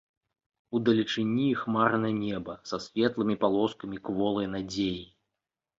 Удалечыні хмарнае неба, са светлымі палоскамі кволай надзеі.